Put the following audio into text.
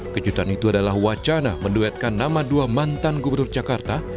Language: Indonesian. kejutan itu adalah wacana menduetkan nama dua mantan gubernur jakarta